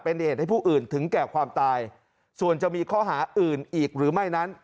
เป็นเหตุให้ผู้อื่นถึงแก่ความตายส่วนจะมีข้อหาอื่นอีกหรือไม่นั้น